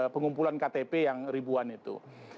pengumpulan ktp yang ribuan itu